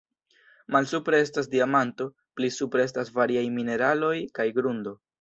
Malsupre estas diamanto, pli supre estas variaj mineraloj kaj grundo.